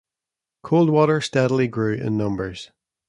Coldwater steadily grew in numbers.